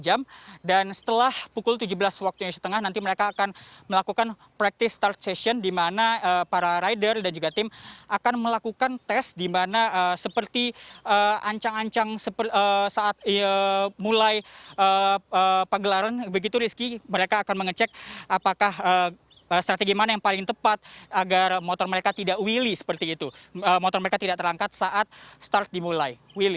ancang ancang saat mulai pagelaran begitu rizky mereka akan mengecek apakah strategi mana yang paling tepat agar motor mereka tidak terangkat saat mulai